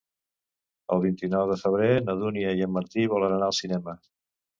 El vint-i-nou de febrer na Dúnia i en Martí volen anar al cinema.